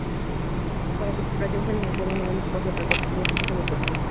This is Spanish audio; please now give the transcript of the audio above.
Para su exploración fue necesario un gran esfuerzo tanto tecnológico como personal.